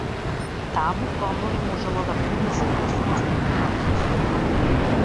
Таа буквално не можела да поднесе дека сонцето и понатаму свети.